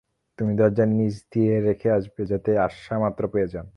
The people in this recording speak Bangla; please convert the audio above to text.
তুমি দরজার নিচ দিয়ে রেখে আসবে, যাতে আসামাত্র পেয়ে যান।